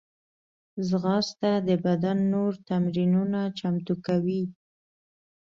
ځغاسته د بدن نور تمرینونه چمتو کوي